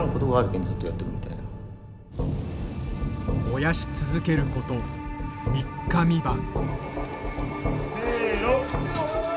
燃やし続けること３日３晩。